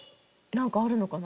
なんかあるのかな？